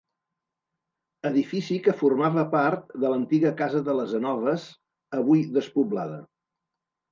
Edifici que formava part de l'antiga casa de les Anoves, avui despoblada.